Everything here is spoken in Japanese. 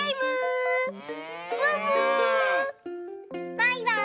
バイバーイ！